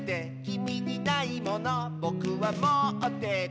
「きみにないものぼくはもってて」